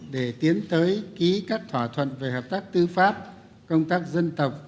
để tiến tới ký các thỏa thuận về hợp tác tư pháp công tác dân tộc